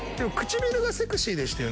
唇がセクシーでしたよね